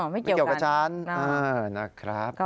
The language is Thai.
ไม่เกี่ยวกับฉันนะครับไม่เกี่ยวกับฉัน